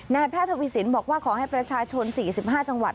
แพทย์ทวีสินบอกว่าขอให้ประชาชน๔๕จังหวัด